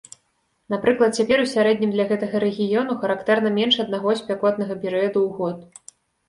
Напрыклад, цяпер у сярэднім для гэтага рэгіёну характэрна менш аднаго спякотнага перыяду ў год.